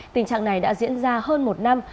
tình trạng này đã diễn ra hơn một năm